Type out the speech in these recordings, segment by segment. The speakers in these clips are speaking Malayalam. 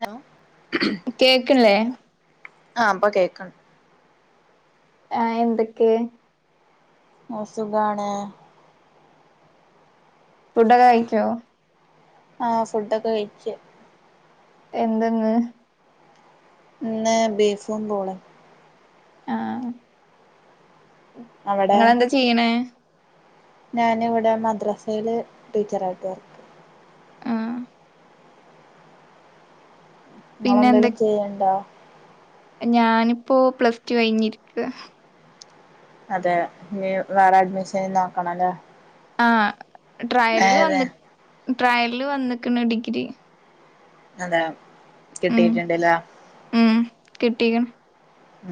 ഹലോ കേക്ക്ൺല്ലേ ആ പ്പൊ കേക്കാണ് ആ എന്തെക്കെ ഓ സുഖാണ് ഫുഡൊക്ക കയിക്കോ ആ ഫുഡൊക്ക കയ്ക്ക് എന്തെന്ന് ഇന്ന് ബീഫും പോളേം ആ ങ്ങളെന്താ ചെയ്യണേ ഞാന്വ്ടെ മദ്രസേല് ടീച്ചറായിട്ട് വർക്ക് ആഹ് പിന്നെ എന്തൊ ങ്ങളെന്തേലും ചെയ്ണ്ടാ ഞാനിപ്പോ പ്ലസ് ടു കഴിഞ്ഞിരിക്കാ അതെ ഞ്ഞി വേറെ അഡ്മിഷൻ നോക്കണല്ലേ ആ ട്രയയല് ഏതെ വന്ന് [unintelligible] ട്രയല് വന്ന്ക്ക്ണ് ഡിഗ്രി അതെ കിട്ടിട്ട്ണ്ടല്ലോ കിട്ടിക്ക്ണ്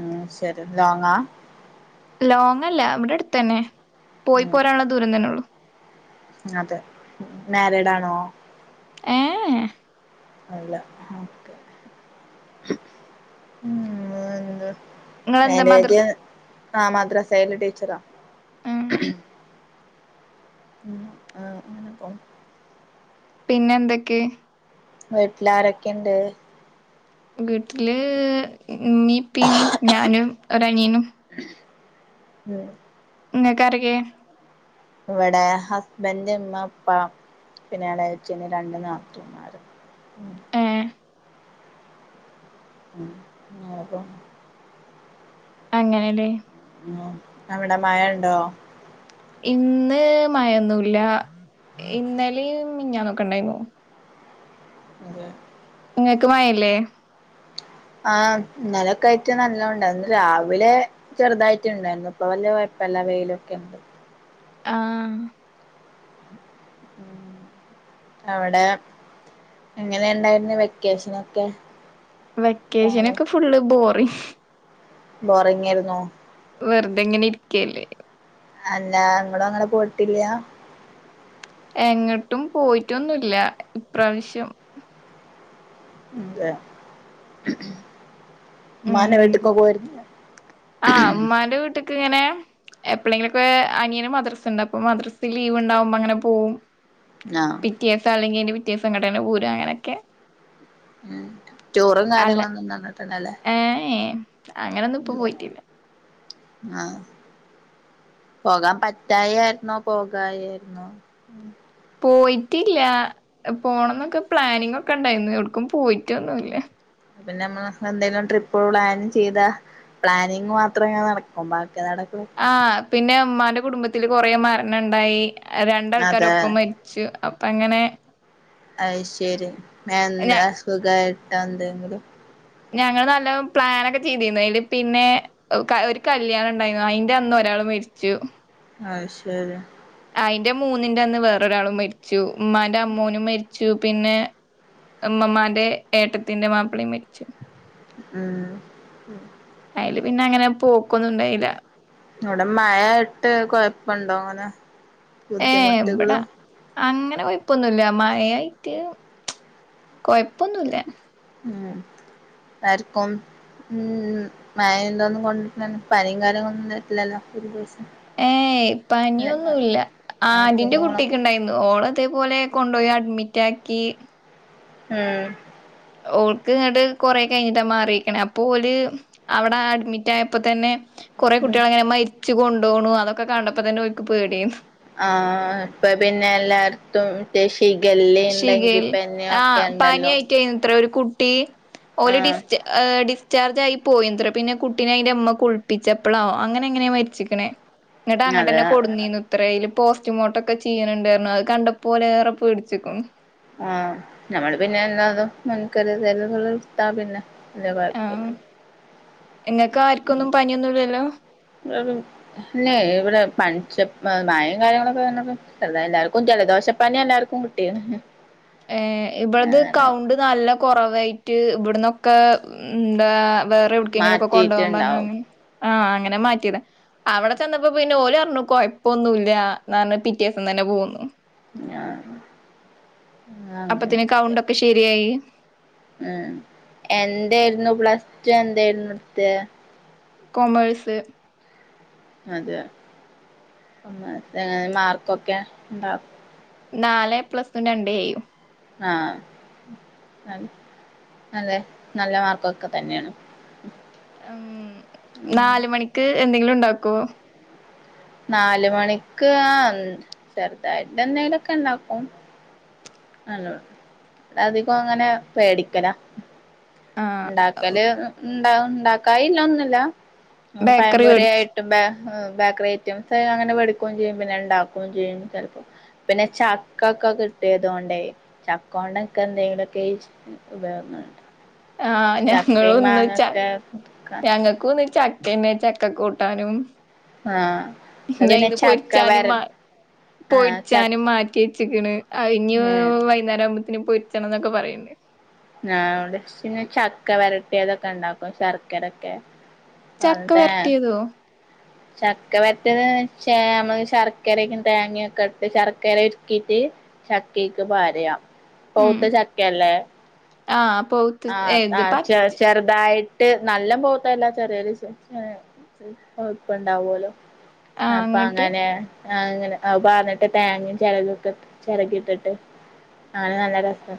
ഉം ശരി ലോങ്ങാ ലോങ്ങല്ല ഇവ്ടെ അടുത്തെന്നെ പോയി ഉം പോരാനുള്ള ദൂരം തന്നെ ഉള്ളൂ അതെ മാരീഡാണോ ഏഹ് അല്ല ഓക്കെ ഉം എന്ത ഇങ്ങളെന്താ മാരേജ് മദ്രസ് ആഹ് മദ്രസ് സേല് ടീച്ചറാ ഉം ഉം ആഹ് അങ്ങനെ പോണ് പിന്നെ എന്തെക്കെ വീട്ട്ലാരൊക്കണ്ട് വീട്ടില് ഇമ്മിം ഇപ്പിം ഞാനും ഒര് അനിയനും ഉം ഇങ്ങക്കാരൊക്കെ ഇവടെ ഹസ്ബൻഡ് ഇമ്മ ഉപ്പ പിന്നെ എളേയച്ചന് രണ്ട് നാത്തൂന്മാര് ഉം ഏഹ് ഉം [unintelligible] അങ്ങനെലേ ഉം അവിടെ മഴെണ്ടോ ഇന്ന് മഴൊന്നുല്ല ഇന്നലിം മിഞ്ഞാന്നൊക്ക ഇണ്ടേയിരുന്നു അതെ ഇങ്ങക്ക് മയല്ലേ? ആഹ്. ഇന്നലൊക്കെ ആയിട്ട് നല്ലോം ഇണ്ടായ്ന്നു. ഇന്ന് രാവിലെ ചെറ് തായിട്ട് ഇണ്ടായ്ന്നു. ഇപ്പ വല്യ കൊയ്പ്പല്ല വെയിലൊക്കെണ്ട്. ആഹ്. അവടെ എങ്ങനെണ്ടായ്രുന്നു വെക്കേഷനൊക്കെ? വെക്കേഷനൊക്കെ ഫുള്ള് ബോറി ബോറിങ്ങായിര്ന്നോ? വെറ്തെ ഇങ്ങനെ ഇര്ക്കല്ലേ. അല്ലാ ങ്ങടും അങ്ങനെ പോയിട്ട്ല്ലാ? എങ്ങട്ടും പോയിറ്റൊന്നുല്ല. ഇപ്രാവശ്യം. തേ മ്മാന്റെ ഉം വീട്ട്ക്കൊ പോയ്ര് ക്ക് ഇങ്ങനെ എപ്പ്ളെങ്കിലൊക്കെ അനിയന് മദ്രസ്സ്ണ്ട്. അപ്പൊ മദ്രസ് ലീവ് ഇണ്ടാവുമ്പോ അങ്ങനെ പോവും. ആഹ് പിറ്റേസ അല്ലെങ്കി അയിന്റെ പി റ്റേസം ഇങ്ങട്ടെന്നെ പോരു അങ്ങനെക്കെ. ഉം. ടൂറും കാര്യങ്ങളൊന്നും നിന്ന്ട്ടന്നെല്ലേ. ഏഹ് അങ്ങനൊന്നും പ്പൊ പോയിട്ടില്ല. ആഹ്. പോകാൻ പറ്റായായിര്ന്നോ പോകായായ്ര്ന്നോ? പോയിട്ടില്ല പോണം ന്നൊക്കെ പ്ലാനിങ് ഒക്കെ ഇണ്ടായ്ന്നു. എവ്ട്ക്കും പോയിട്ടൊന്നുംല്ല. പിന്നെ മ്മള് എന്തെങ്കിലും ട്രിപ്പ് പ്ലാൻ ചെയ്ത പ്ലാനിങ് മാത്രം ങ്ങ നടക്കും. ബാ ആഹ് പിന്നെ ഉമ്മനു കുടുംബത്തില് കൊറെ മരണം ഉണ്ടായി രണ്ടാൾക്കാര അതെ ഒപ്പം മരിച്ചു അങ്ങനെ അയ് ശരി ഞ എന്താ സുഖ [unintelligible] ഞങ്ങള് നല്ല പ്ലാനൻക്കെ ചെയ്തിന്നു അതില് പിന്നെ ഒരു കല്യാണം ഉണ്ടായിനു അയിന്റെ അന്ന് ഒരാള് മരിച്ചു അയ് ശരി അയിന്റെ മൂന്നിന്റെ അന്ന് വേറൊരാളും മരിച്ചു ഉമാന്റെ അമ്മോനും മ മരിച്ചു പിന്നെ അമ്മമാന്റെ ഏട്ടത്തിന്റെ മാപ്പിളയും മരിച്ചു ഉം അയില് പിന്നെ അങ്ങനെ പോക്കൊന്നും ഇണ്ടായില്ല ഇവിടെ മഴായിട്ട് കൊഴപ്പുണ്ടോ അങ്ങനെ ഏ ബുദ്ധിമുട്ടുകള് എവിടാ അങ്ങനെ കൊയിപ്പൊന്നുമില്ല മഴയായിട്ട് കൊഴപ്പ അപ്പൊന്നുമല്ല ഉ ആർക്കും ഉ മയ ഒന്നും കൊണ്ടി പനിയും കാര്യങ്ങളൊന്നും തട്ടില്ലല്ലോ ഒരു ഏ ഇപ്പനിയൊന്നുമല്ല ആടിന്റെ അസുഖങ്ങളൊക്കെ കുട്ടിക്ക് ഉണ്ടായിരുന്നു ഓള അതേപോലെ കൊണ്ടപോയി മിറ്റാാക്കി ഉം ഓൾക്ക് അങ്ങട്ട്കൊറെ കഴിഞ്ഞിട്ടാ മാറിയിരിക്കണേ അപ്പൊ ഒരു അവിടെ അഡ്മിറ്റ് ആയപ്പോ തന്നെ കുറെേ ഉം കുട്ടികൾ അങ്ങനെ മരിച്ചുൊണ്ട് ോണു അതൊക്കെ കണ്ടപ്പോ തന്നെഓക്ക് പേടിയായി ആഹ ഇപ്പൊ പിന്നെ എല്ലാർത്തും ടെ ഷ് ശിഖേൽ ആഹ ഉണ്ടല്ലോ പാനായിട്ടായി ഇത്ര ഒരു കുട്ട [inaudible] ഓല ആഹ് ഡിസ്റ്റ് ഡി ചാർജ് ആയി പോയന്ത്ര പിന്നെ കുട്ടീെ അയിന്റെ അമ്മ കുളിപ്പിച്ചപ്പളാോ അങ്ങനെ എങ്ങനെയാ മരിച്ചിക്കണേ എന്നിട്ട് അങ്ങട്ട അതെ തന്നെ കൊടുുന്നീന്ന് ഇത്രൽ പോസ്റ്റ്ുമോർട്ടം ഒക്കെ ചെയ്യുണ്ടായിരുന്നു അത് കണ്ടപ്പോ പോലെേറെ പേടിിച്ചു ച്ചിക്കണു ആഹ നഞമ്മള് പിന്നെ എല്ലാതും മുൻകരുതലുകൾ ഇട്ടുത്താ പിന്നെ വല്യ ആഹ കുഴപ്പല്ല എങ്ങക്ക ആർക്കൊന്നും പനിയൊന്നുംല്ലല്ലോ ല്ലെ ഇവിടെ പനിച്ചപ്പം മഴയും കാര്യങ്ങളൊക്കെ വന്നപ്പം ചെറുതാ എല്ലാർക്കും ജലദോഷപ്പനി എല്ലാർക്കും കിട്ടിയേ. ഏ ഇവിളത് കൗണ്ട് നല്ല കുറവായിട്ട് ഇവിടന്നൊക്കെ എന്താ വേറെ എവിടക്കെങ്കിലും ഒക്ക കൊണ്ടാവാൻ പറഞ് മാറ്റിയിട്ടുണ്ടാവും അങ്ങനെ- ആ അങ്ങനെ മാറ്റിയതാ. അവിടെ ചെന്നപ്പോ പിന്നെ ഓര് പറഞ്ഞു കുഴപ്പം ഒന്നുംല്ല എന്ന പറഞ്ഞു പിറ്റേ ദിവസം തന്നെ പോകന്നു. ഞാ അപ്പത്തിന് കൗണ്ടൊക്കെ ശരിയായി എന്തേയിരുന്നു പി ഇജ്ജ് എന്തേയിരുന്നു നിർത്തിയേ? കോമേഴ്സ്. അതേയേ മാർക്കൊക്കെ ഉണ്ടാ? നാല് എ പ്ലസും രണ്ട് എയും. ആ അ -അല്ലെ നല്ല മാർക്കൊക്കെ തന്നെയാണ്. ഉം ഉം നാലുമണിക്ക് എന്തെങ്കിലും ഉ ഉണ്ടാക്കോ? നാലുമണിക്ക് ആ ചെറുതായിട്ട് എന്തെങ്കിലും ഒക്കെ ഉണ്ടാക്കും. അധികം അങ്ങനെ മേടിക്കല. ആഹ് ഉണ്ടാക്കല് ഉണ്ടാവു ഉണ്ടാക്കായി ഇന്നിഒന്നു ഇല്ല. ബേക്കറി പഴംപൊരി വേടിച്ച് ആയിട്ടുമ്പ ആ ബേക്കറി ഐറ്റംസ് അങ്ങനെ വേടിക്കുകയും ചെയ്യും പിന്നെ ഉണ്ടാക്കുകയും ചെയ്യുംചിലപ്പോ. പിന്നെ ചക്ക ഒക്കെ കിട്ടിയതുകൊണ്ടേ ചക്ക കൊണ്ടക്കെ എന്തെങ്കിലുമൊക്കെ ഉപയോഗോങ്ങളുണ്ടാവും. ആ ഞങ്ങ ഒന്നിച്ചാ ഞങ്ങക്കുന്ന് ച പിന്നെ ചക്ക കൂട്ടാനും ആഹ് ഞാൻ പിന്നെ ഇന്ന് ചക്ക പൊരിച്ചാനും വര മാ ആഹ് ച പൊരിച്ചാനും മാറ്റി വെച്ചെക്കണ് അതിന് ആഹ് വൈകുന്നേരം ആവു ഇനി പെരിച്ചണംഎന്നൊക്കെ പറയുന്നേ. ആ അവിടെ പിന്നെ ചക്ക വരട്ടി അതൊക്കെ ഉണ്ടാക്കും. ശർക്കരൊക്കെ? ചക്ക വരട്ടിയതോ? ചക്ക വരട്ടിയത് എന്ന് വെച്ചാൽമ്മള് ശർക്കരക്കും തേങ്ങൊക്കെ ഇട്ട് ശർക്കര ഉരുക്കിയിട്ട് ചക്കക്ക് പാരയാം. പൗവുത്ത ചക്കയല്ലേ? ആ പെവുത്ത് എത് പച്ച ആയിട്ട് നല്ല പവുത്തല്ല ചെറിയൊരു ഇപ്പ ഉണ്ടാവുമല്ലോ? ആഹ് അപ്പൊ അങ്ങട്ട് അങ്ങനെ? ആ അങ്ങനെ പറഞ്ഞിട്ട് തേങ്ങയും ചെരകികൊക്കെ ചിരക്കി ഇട്ടിട്ട് ആണ് നല്ല രസം.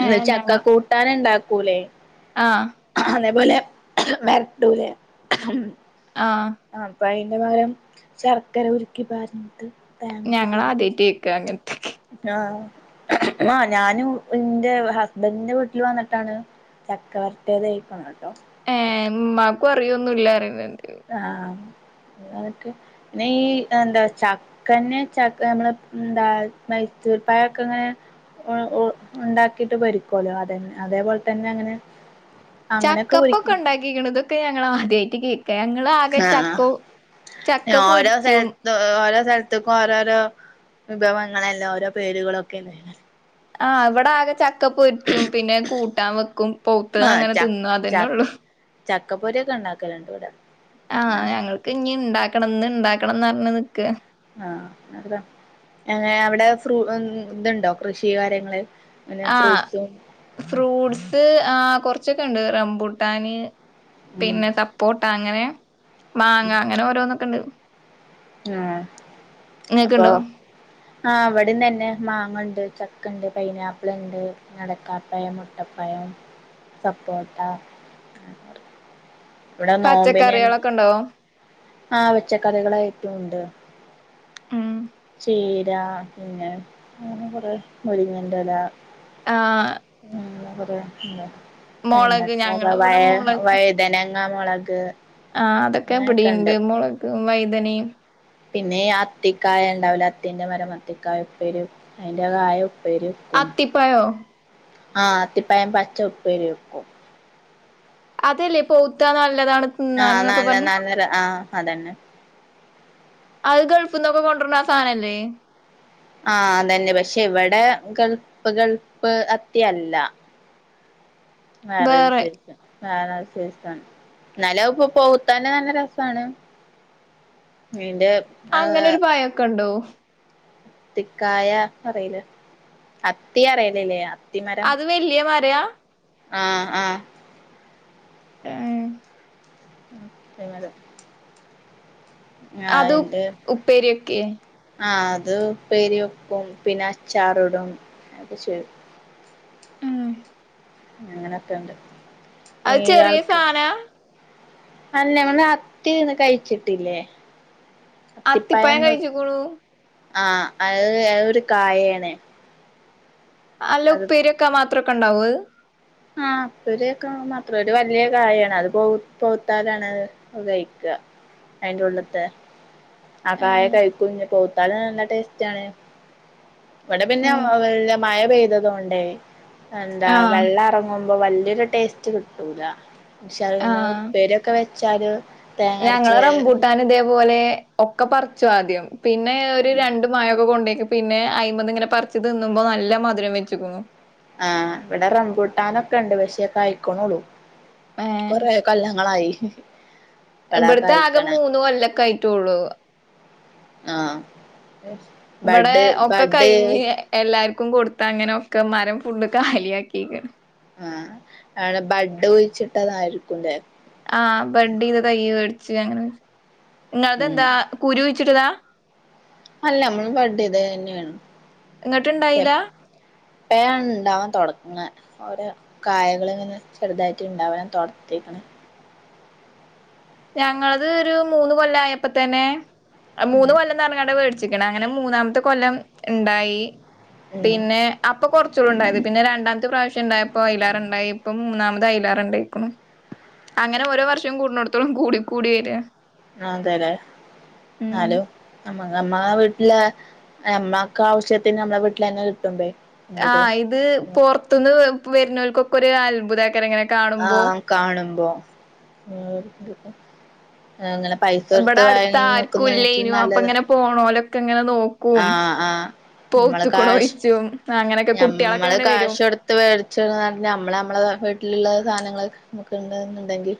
ഏഹ് ചക്ക കൂട്ടാൻഉണ്ടാ കൂലെ? ആ അതേപോലെ വരട്ടൂലേ? ആ അപ്പോൾ അയി റെ പകരം ശർക്കര ഉരുക്കി പാർന്ന്ട്ട് ഞങ്ങള് ആദ്യട്ടെ കേക്ക അങ്ങന ആ ആ ഞാനും എന്റെ ഹസ്ബൻഡിന്റെ വീട്ടിൽ വന്നിട്ടാണ് ചക്ക വര്ട്ടിയത് കഴിക്കുന്ന ട്ടോ ഏ ഇമ്മാക്കും അറിയോന്നുല്ല ആ തൊക്കെ പിന്നെ ഈ എന്താ ചക്കന്നെ ച നമ്മള് എന്താ മൈസൂർപ്പയൊക്കെ അങ്ങനെ ഉണ്ടാക്കിട്ട് പൊരിക്കൊല്ലോ അതന്നെ അതേപോലെ തന്നെ അങ്ങനെ അങ്ങനെയൊക്കെ ചക്കപ്പൊക്കെ പൊരിക്കും ഉണ്ടാക്കിക്കിണ് ഇതൊക്കെ ഞങ്ങൾ ആദ്യയി ട്ട് ആ ചക്ക ഓരോ പൊരിച്ചും സ്ഥല ഓരോ സ്ഥലത്തേക്കും ഓരോരോ വിഭവങ്ങളല്ല ഓരോ പേരുകളൊക്കെ ആ ഇവിടെ ആകെ ചക്ക പൊരിച്ചും പിന്നെ കൂ കൂട്ടാൻ ൻ വെക്കും പൗത്തത് അങ്ങനെ തിന്ന അതന്നെ ഉള്ളു ചക്കപ്പൊരിയൊക്കെ ഇണ്ടാക്കലുണ്ട് ഇവിടെ ആ ഞങ്ങൾക്ക് ഇനി ഇണ്ടാക്ക ണംന്ന് ഇണ്ടാക്കണംന്ന് പറഞ്ഞ നിക്ക അ അവിടെ ഫ്രൂ ഇതുണ്ടോ കൃഷി കാര്യങ്ങള് പിന്നെ ആ ഫ്രൂട്ട്സും ഫ്രൂട്ട്സ് ആ കൊറച്ച് കൊറച്ചൊക്കെ ഉണ്ട് റംബൂട്ടാന് ഉം പിന്നെ സപ്പോട്ട അങ്ങനെ മാങ്ങ അങ്ങനെ ഓരോന്നൊക്കെ ണ്ട് ആ ഇങ്ങക്ക്‌ണ്ടോ ആ ഇവിടിം തന്നെ മാങ്ങ ഇണ്ട് ചക്ക ഇണ്ട് പൈനാപ്പിൾ ഇണ്ട് അ ടക്കാപ്പായം, മുട്ടപ്പയം, സപ്പോട്ട പച്ചക്കറികളൊക്കെ ഉണ്ടാവോ ആ പച്ച കറികളായിട്ട് ഉണ്ട് ഉം ചീര പിന്നെ അങ്ങനെ കൊറെ മുരിങ്ങന്റെല ആ [unintelligible] വെണ്ടയ്ക്ക ഞങ്ങള് ഇവിടെ വയ വഴുതന ആ മൊളക് ആ അതൊക്കെ ഇബടീം ണ്ട് മൊ ളകും വൈതനീം പിന്നെ അത്തിക്കായ ഉണ്ടാവല അത്തിന്റെ മരം അത്തിക്കായുപ്പേരിയും അതിന്റെ കായ അത്തിപ്പായോ ആഹ അത്തിപ്പായം പച്ച ഉപ്പേരി വെക്കും അതല്ലേ പയുത്തോ നല്ല താണ് ഞാന് ആഹ് നോക്കെ നല്ല പറഞ്ഞു നല്ല ആഹ് അതന്നെ അത് ഗൾഫ്ന്നൊക്കെ കൊണ്ടുവരുണ ആ സാധനല്ലേ ആഹ അതന്നെ പക്ഷെ ഇവിടെ ഗൾഫ് ഗൾഫ് അത്തിയല്ല [unintelligible] വേറെ വേറെശേഷ നല്ല ഇപ്പൊ പഴുത്തന്നെ നല്ല രസമാണ് അങ്ങനെൊ ഒരു പായൊക്കെ ഉണ്ടോ അത്തിക്കായ അറിയില്ല അത്തി അറിയലില്ല അത് വല്ല്യ മരവാ ആ ആ ഉം ഞങ്ങള് അത് ഉപ്പേരി വെക്കയെ ആഹ് അത് ഉപ്പേരി വെക്കും പിന്നെ അച്ചാറിടും ഒക്കെ ചെയ്യും ഉം അങ്ങനൊക്കെ ഉണ്ട് അത് ചെറിയ ഇയാൾക്ക് സാദനവാ അല്ല നിങ്ങള് അത്തിയൊന്നും കഴിച്ചിട്ടില്ലേ അത്തിപ്പഴം കഴച്ചേക്കണു ആ അത് ഒരു കായയാണ് അല്ല ഉപ്പേരിയൊക്കെ മാ ത്രൊക്കെ ഉണ്ടാവോ അത് ആ അപ്പോ ഒരേ കാ മാത്രം ഒരു വലിയ കായയാണ് അത് പോ മൂത്താലാണ് അത് കഴിക്കുക അയിന്റെ ഉള്ളിത്തെ ആ കായ ഏഹ് കഴിക്കും [unintelligible] തല നല്ല ടേസ്റ്റാണ്. ഇവിടെ പിന്നെ വല്യ മയ പെയ്തതോണ്ടേ എന്താ ആഹ് വെള്ളാ ങ്ങുമ്പോ വല്യൊരു ടേസ്റ്റ് കിട്ടൂല. [unintelligible] ഉപ്പേരിയൊക്കെ വെ ചര് ഞങ്ങളെ റംമ്പൂട്ടാൻ ഇതേപോലെ ഒക്കെ പർച്ചു ആദ്യം. പിന്നെ ഒര് രണ്ട് മഴൊക്കെ കൊണ്ട പിന്നെ അയ്മ്മന്ന് ങ്ങനെ പർച്ചു തിന്നുമ്പോ നല്ല മധുരം വെച്ചുക്ക് ന്നു. ആഹ് ഇവിടെ റംമ്പൂട്ടാനൊക്കെ ഇ ണ്ട് പശേ കായിക്ക്ണുള്ളൂ. ഏഹ് കൊറെ കൊല്ലങ്ങളായി. ഇപ്പളാ ഇബട്ത്തെ ആകെ കായ്ക്കണെ മൂന്ന് കൊല്ലൊക്കെ ആയിട്ടുള്ളു. ആഹ്. ഇബടെ ബഡ് ഒക്കെ ബഡ് കഴിഞ്ഞ് എല്ലാർ ക്കും കൊടുത്ത അങ്ങനെക്കെ മരം ഫുഡ് കാലിയ ആക്കികണ്. ആഹ് അവിടെ ബഡ് കുഴിച്ചിട്ടതായിരിക്കും ല്ലേ? ആഹ് ബഡെയ്ത തയ്യ ഇച്ചിരി അങ്ങനെ ഉം ഇങ്ങളെതന്താ കുരു ച്ചിട്ടതാ? അല്ല നമ്മള് ബഡ്ഡ് ചെയ്തത് തന്നെയാണ്. എന്നിട്ട് ഇണ്ടായില? ഇപ്പഴാണ് ഇണ്ടാവാൻ തുടങ്ങ ഓരോ കായകള ഇങ്ങനെ ചെറുതായിട്ട് ഇണ്ടവാൻ തൊട് ത്തീക്ക്‌ണ് ഞങ്ങള്ത് ഒരു മൂന്ന് കൊല്ലം ആയപ്പോ തന്നെ മൂന്ന് ഉം കൊല്ലം ന്നറഞ്ഞ്ങ്ങാട് അങ്ങനെ മൂന്നാമത്തെ കൊല്ലം ഇ ണ്ടായി. ഉം പിന്നെ അപ്പൊ കൊറച്ചുള്ളൂ ഇ ണ്ടായത് പിന്നെ രണ്ടാമത്തെ പ്രാവശ്യം ഇണ്ടായപ്പോ അയിലേറെ ഉണ്ടായി ഇപ്പ മൂന്നാമ പ്പ അയ്ലേറ ഇണ്ടായിക്ക്‌ണു അങ്ങനെ ഓരോ വർഷം കൂട് ഇപ്പളും കൂടി കൂടി വര ആഹ് അതെല്ലെ എന്നാലും നമ്മ നമ്മ വീട്ടില് നമ്മക്ക് ആവശ്യത്തിന് നമ്മളെ വീട്ടിൽ തന്നെ കിട്ടും ആഹ് ഇത് പൊർത്ത്ന്ന് വരുന്നോർക്കൊക്കെ ഒരു അത്ഭുതാക്കർങ്ങനെ ആഹ് കാണുമ്പോ ആ അങ്ങനെ പൈസ കൊടുത്ത് ഇവിടെ അടുത്ത വാങ്ങി ആർക്കും നോക്കുന്നതിലും ഇല്ലനും അപ്പ നല്ലത് ഇങ്ങനെ പോന്നോലൊക്കെ ഇങ്ങനെ നോ ആഹ് ആഹ് നമ്മള് കാശ് അങ്ങനെയൊക്കെ കുട്ടികളൊക്കെ നമ്മള് ഇങ്ങനെ വരും കാശ് കൊടുത്ത് വേടിച്ച നമ്മള് നമ്മള് വീട്ടിലുള്ള സാധനങ്ങളൊക്കെ ഇണ്ട് ന്ന് ഉണ്ടെങ്കി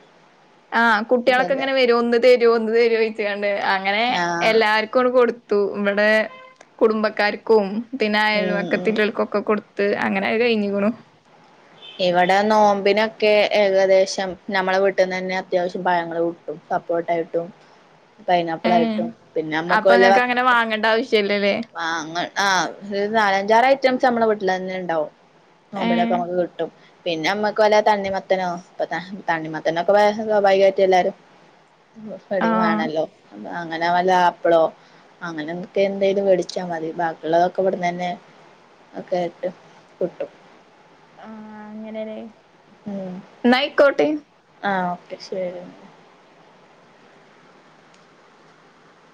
ആഹ് കുട്ട്യാളൊക്കെ ഇങ്ങനെ വരും ഒന്ന് ത തരോ ഒന്ന് താരോ ചോ അങ്ങനെ ആഹ് എല്ലാർക്കും കൊടു ഇവിടെ കുടുംബക്കാർക്കും പിന്നെ ഉം ഉം അയൽവക്കത്തിള്ളോൽ ക്കൊക്കെ കൊടു അങ്ങനെ അത് കഴിഞ്ഞ്ക്ക്ണു ഇവിടെ നോമ്പിനൊക്കെ ഏകദേശം നമ്മള വീട്ടിന്ന് തന്നെ അത്യാവശ്യം പഴങ്ങള് കിട്ടും സപ്പോട്ട ട്ടും ഏഹ് പൈനാപ്പിളായിട്ടും പിന്നെ അമ്മക്ക് അപ്പൊ വല്ല വ ഇങ്ങക്ക് അങ്ങനെ വാങ്ങണ്ട ആവശ്യല്ലല്ലേ വാങ്ങൽ ആഹ് ഒരു നാലഞ്ചാറ് ഐറ്റംസ് നമ്മള വീട്ടില തന്നെ ഉണ്ടാവും നോമ്പിനൊക്കെ ഏഹ് നമുക്ക് കിട്ടും പിന്നെ നമ്മക്ക് വല്ല തണ്ണിമത്തനോ തണ്ണിമത്തനൊക്കെ സ്വാഭാവികാ യിട്ട് എല്ലാരും ആഹ് പതിവാണല്ലോ അങ്ങനെ വല്ല ആപ്പിളോ അങ്ങനെ എന്തൊക്കെ എന്തേലും മേടിച്ചാ മതി ബാക്കിയുള്ളതൊക്കെ ഇവിടന്ന് തന്നെ ഒക്കെ ട്ടും കിട്ടും ആഹ് അങ്ങനനെ എന്നാ ആയിക്കോട്ടെ ആഹ് ഓക്കെ ശെരി എന്ന